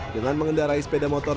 dengan mengendarai sepeda motor